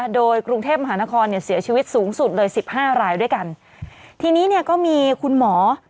โดยกรุงเทพมหานครเนี่ยเสียชีวิตสูงสุดเลยสิบห้ารายด้วยกันทีนี้เนี่ยก็มีคุณหมอ